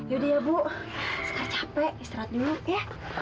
yaudah ya bu sekar capek istirahat dulu ya